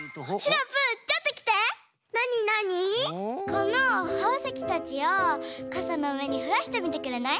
このほうせきたちをかさのうえにふらしてみてくれない？